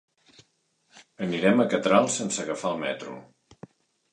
Anirem a Catral sense agafar el metro.